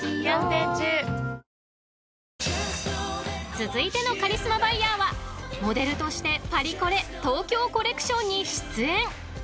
［続いてのカリスマバイヤーはモデルとしてパリコレ東京コレクションに出演］